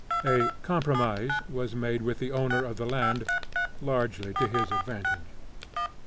A "compromise" was made with the owner of the land, largely to his advantage.